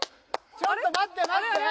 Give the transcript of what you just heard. ちょっと待って待って。